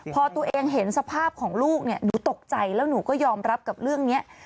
พอตัวเองเห็นสภาพของลูกเนี่ยหนูตกใจแล้วหนูก็ยอมรับกับเรื่องนี้